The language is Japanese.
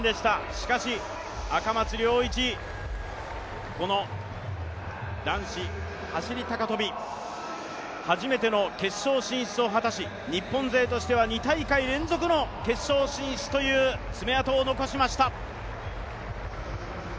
しかし、赤松諒一、この男子走高跳、初めての決勝進出を果たし日本勢としては２大会連続の決勝進出という爪痕を残しました。